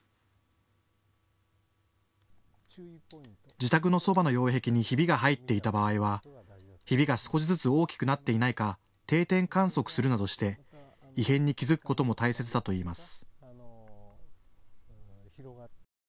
自宅のそばの擁壁にひびが入っていた場合はひびが少しずつ大きくなっていないか定点観測するなどして異変に気付くことも大切だといいます。